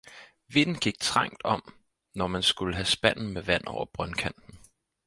vinden gik trangt om, når man skulle have spanden med vand over brøndkanten.